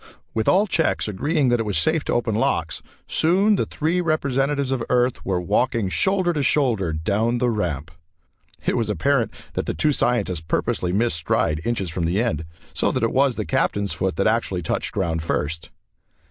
With all checks agreeing that it was safe to open locks, soon the three representatives of Earth were walking shoulder to shoulder down the ramp. It was apparent that the two scientists purposely missed stride inches from the end, so that it was the Captain's foot that actually touched ground first.